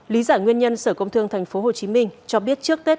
lý giải nguyên nhân sở công thương tp hcm cho biết trước tết